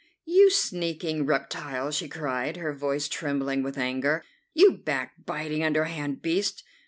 "You sneaking reptile!" she cried, her voice trembling with anger; "you backbiting, underhand beast!